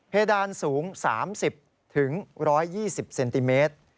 ดานสูง๓๐๑๒๐เซนติเมตร